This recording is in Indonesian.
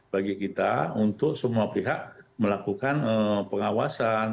bagi kita untuk semua pihak melakukan pengawasan